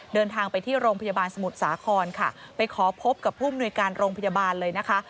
เดินทางไปที่โรงพยาบาลสมุทรสาครค่ะไปขอพบกับผู้มนุยการโรงพยาบาลเลยนะคะ